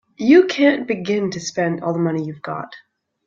You can't begin to spend all the money you've got.